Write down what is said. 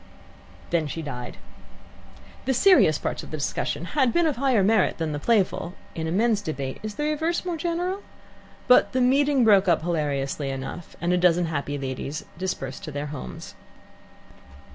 Then she died. The serious parts of the discussion had been of higher merit than the playful in a men's debate is the reverse more general? but the meeting broke up hilariously enough, and a dozen happy ladies dispersed to their homes.